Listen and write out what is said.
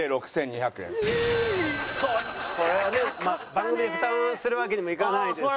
番組で負担するわけにもいかないですから。